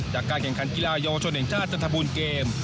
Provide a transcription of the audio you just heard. จากการแข่งขันกีฬาเยาวชนแห่งชาติจันทบูรณ์เกม